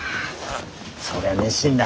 そりゃ熱心だ。